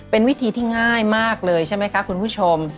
เป็นวิธีที่ง่ายมากเลยใช่ไหมคะคุณผู้ชม